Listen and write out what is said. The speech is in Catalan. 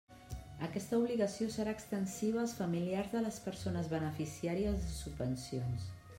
Aquesta obligació serà extensiva als familiars de les persones beneficiàries de subvencions.